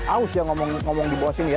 aus ya ngomong di bawah sini ya